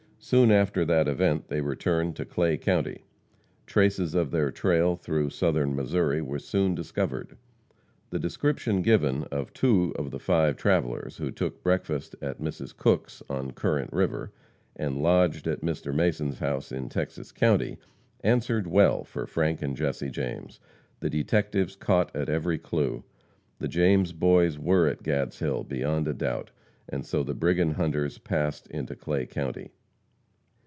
Soon after that event they returned to Clay county. Traces of their trail through Southern Missouri were soon discovered. The description given of two of the five travellers who took breakfast at Mrs. Cook's on Current river, and lodged at Mr. Mason's house in Texas county, answered well for Frank and Jesse James. The detectives caught at every clue. The James Boys were at Gadshill beyond a doubt. And so the brigand hunters passed into Clay county.